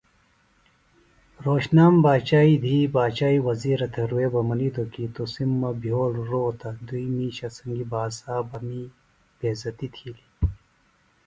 رھوشنام باچائی دھی باچاے وزِیرہ تھےۡ رے بہ منِیتوۡ کیۡ ”تُسِم مہ بھیول روتہ دُئیۡ مِیشہ سنگیۡ باسا می بھیزتیۡ تِھیلیۡ